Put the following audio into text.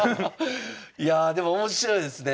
いやあでも面白いですね。